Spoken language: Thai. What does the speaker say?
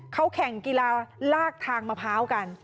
เขาแข่งกีฬาลากทางมะพร้าวกัน